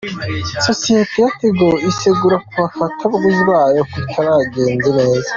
Sosiyete ya Tigo irisegura ku bafatabuguzi bayo ku bitaragenze neza